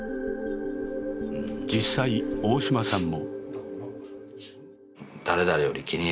実際、大島さんも。